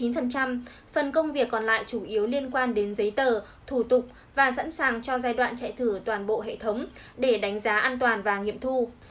phần công việc còn lại chủ yếu liên quan đến giấy tờ thủ tục và sẵn sàng cho giai đoạn chạy thử toàn bộ hệ thống để đánh giá an toàn và nghiệm thu